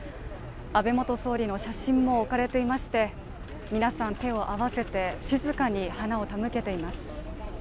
安倍元総理の写真も置かれていまして皆さん、手を合わせて静かに花を手向けています。